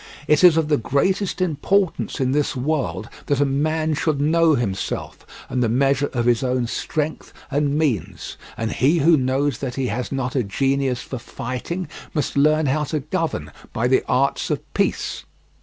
It is of the greatest important in this world that a man should know himself, and the measure of his own strength and means; and he who knows that he has not a genius for fighting must learn how to govern by the arts of peace.